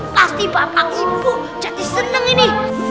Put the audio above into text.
pasti bapak ibu jadi seneng ini